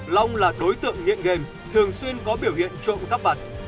long là đối tượng nghiện game thường xuyên có biểu hiện trộm cắp vặt